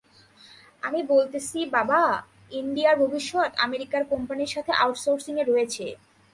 আমি বলতেছি বাবা, ইন্ডিয়ার ভবিষ্যৎ আমেরিকার কোম্পানির সাথে আউটসোর্সিং এ রয়েছে।